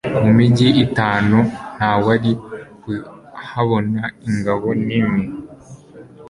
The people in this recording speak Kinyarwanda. mu migi itanu nta wari kuhabona ingabo n'imwe